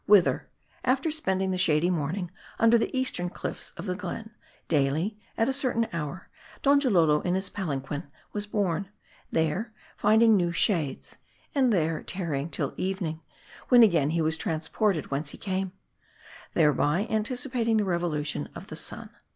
Whither after spending the shady morning under the eastern cliffs of the glen daily, at a certain hour, Donjalolo in his palan quin was borne ; there, finding new shades ; and there tar rying till evening ; when again he was transported whence he came : thereby anticipating the revolution of the sun.